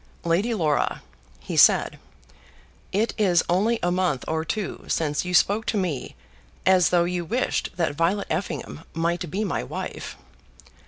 "Lady Laura," he said, "it is only a month or two since you spoke to me as though you wished that Violet Effingham might be my wife."